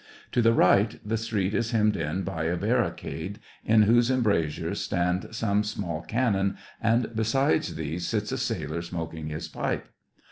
To the right, the street is hemmed in by a barricade, in whose embrasures stand some small cannon, and beside these sits a sailor smoking his pipe.